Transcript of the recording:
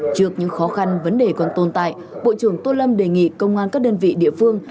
trước những khó khăn vấn đề còn tồn tại bộ trưởng tô lâm đề nghị công an các đơn vị địa phương